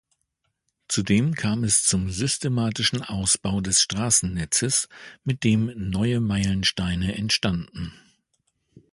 Zudem kam es zum systematischen Ausbau des Straßennetzes, mit dem neue Meilensteine entstanden.